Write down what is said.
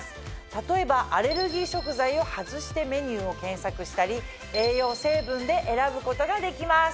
例えばアレルギー食材を外してメニューを検索したり栄養成分で選ぶことができます。